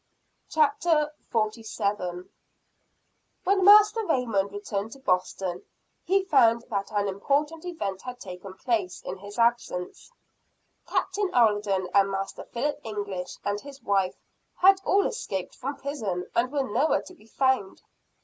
CHAPTER XLVII. Master Raymond Visits Lady Mary. When Master Raymond returned to Boston, he found that an important event had taken place in his absence. Captain Alden and Master Philip English and his wife, had all escaped from prison, and were nowhere to be found.